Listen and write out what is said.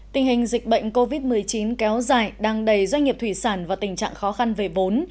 tình hình dịch bệnh covid một mươi chín kéo dài đang đầy doanh nghiệp thủy sản và tình trạng khó khăn về vốn